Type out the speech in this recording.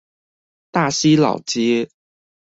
大溪老街